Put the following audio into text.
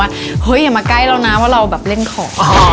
ว่าเฮ้ยอย่ามาใกล้เรานะว่าเราเล่นของ